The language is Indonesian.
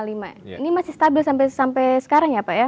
ini masih stabil sampai sekarang ya pak ya